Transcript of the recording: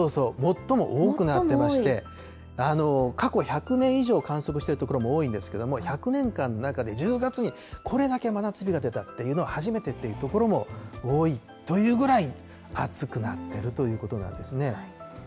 そうそうそう、最も多くなってまして、過去１００年以上観測している所も多いんですけども、１００年間の中で、１０月にこれだけ真夏日が出たっていうのは初めてっていう所も多いというぐらい、暑くなっているということなんですね。